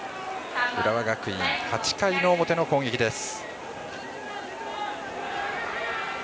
浦和学院、８回の表の攻撃です。